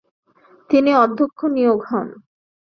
তিনি অধ্যক্ষ নিয়োগ হন।